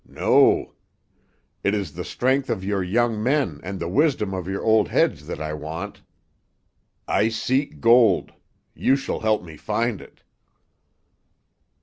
No. It is the strength of your young men and the wisdom of your old heads that I want. I seek gold. You shall help me find it."